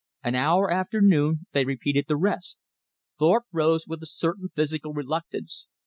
An hour after noon they repeated the rest. Thorpe rose with a certain physical reluctance.